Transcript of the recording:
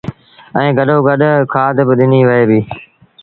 ائيٚݩ گڏو گڏ کآڌ با ڏنيٚ وهي ديٚ